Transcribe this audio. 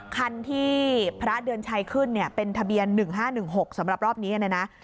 คันที่พระเดือนชัยขึ้นเนี่ยเป็นทะเบียน๑๕๑๖สำหรับรอบนี้นะ